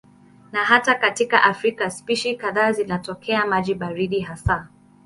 Na hata katika Afrika spishi kadhaa zinatokea maji baridi hasa.